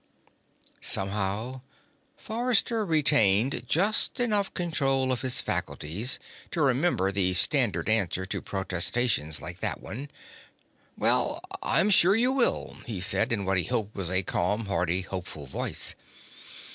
Somehow, Forrester retained just enough control of his faculties to remember the standard answer to protestations like that one. "Well, I'm sure you will," he said in what he hoped was a calm, hearty, hopeful voice.